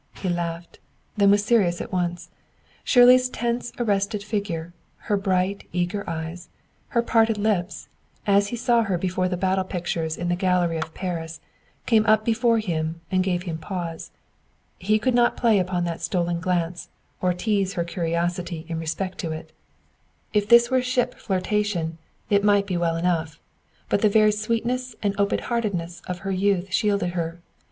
He laughed, then was serious at once. Shirley's tense, arrested figure, her bright, eager eyes, her parted lips, as he saw her before the battle pictures in the gallery at Paris, came up before him and gave him pause. He could not play upon that stolen glance or tease her curiosity in respect to it. If this were a ship flirtation, it might be well enough; but the very sweetness and open heartedness of her youth shielded her.